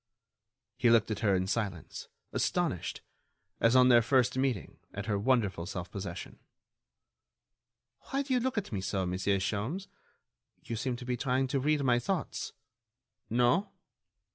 He looked at her in silence, astonished, as on their first meeting, at her wonderful self possession. "Why do you look at me so, Monsieur Sholmes?... You seem to be trying to read my thoughts.... No?...